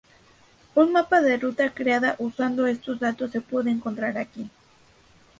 Un mapa de ruta creada usando estos datos se puede encontrar aquí.